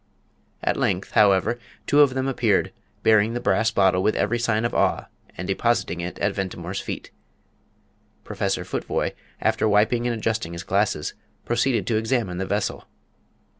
At length, however, two of them appeared, bearing the brass bottle with every sign of awe, and depositing it at Ventimore's feet. Professor Futvoye, after wiping and adjusting his glasses, proceeded to examine the vessel.